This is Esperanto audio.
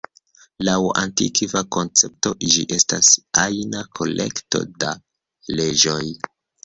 Laŭ antikva koncepto, ĝi estas ajna kolekto da leĝoj.